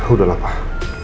udah lah pak